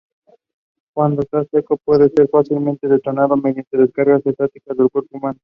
Cuando está seco, puede ser fácilmente detonado mediante descargas estáticas del cuerpo humano.